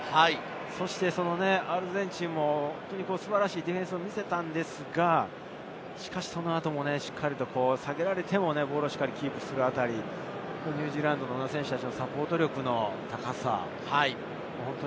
そして、アルゼンチンも素晴らしいディフェンスを見せたのですが、しかし、その後もしっかり下げられてもキープするニュージーランドの選手たちのサポート力の高さ。